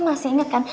lo masih inget kan